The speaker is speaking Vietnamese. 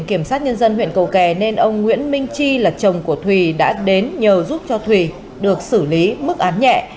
kiểm sát nhân dân huyện cầu kè nên ông nguyễn minh chi là chồng của thùy đã đến nhờ giúp cho thùy được xử lý mức án nhẹ